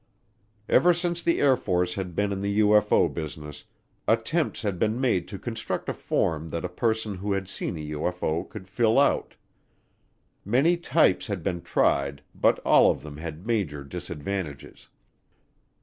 Ever since the Air Force had been in the UFO business, attempts had been made to construct a form that a person who had seen a UFO could fill out. Many types had been tried but all of them had major disadvantages.